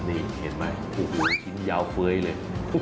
นี่เห็นไหมโอ้โหชิ้นยาวเฟ้ยเลย